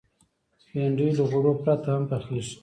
بېنډۍ له غوړو پرته هم پخېږي